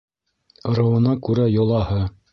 Ырыуына күрә йолаһы